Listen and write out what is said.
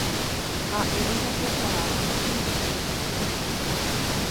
Ha’e ojapokuaa kesu.